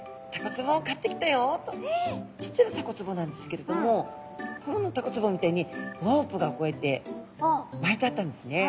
ちっちゃなタコつぼなんですけれども本物のタコつぼみたいにロープがこうやって巻いてあったんですね。